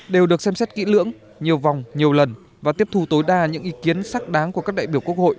đều được xem xét kỹ lưỡng nhiều vòng nhiều lần và tiếp thu tối đa những ý kiến sắc đáng của các đại biểu quốc hội